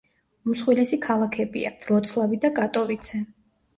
უმსხვილესი ქალაქებია: ვროცლავი და კატოვიცე.